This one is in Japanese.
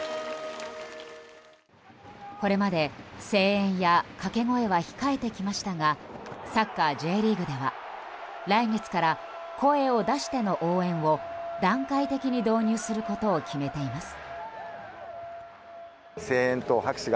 これまで、声援や掛け声は控えてきましたがサッカーＪリーグでは来月から声を出しての応援を段階的に導入することを決めています。